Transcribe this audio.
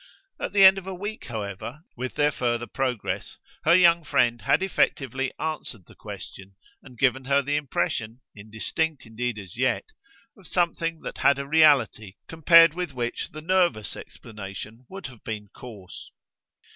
At the end of a week, however, with their further progress, her young friend had effectively answered the question and given her the impression, indistinct indeed as yet, of something that had a reality compared with which the nervous explanation would have been coarse.